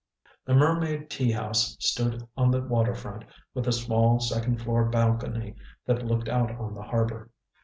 The Mermaid Tea House stood on the waterfront, with a small second floor balcony that looked out on the harbor.